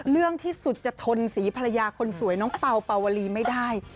เรื่องที่สุดจะทนสีภรรยาคนสวยน้องเป่าเป่าวลีไม่ได้